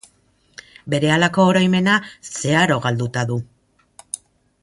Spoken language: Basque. Berehalako oroimena zeharo galduta du.